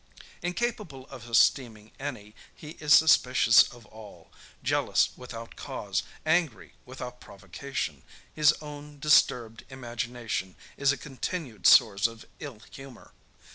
Incapable of esteeming any, he is suspicious of all; jealous without cause, angry without provocation, his own disturbed imagination is a continued source of ill humor.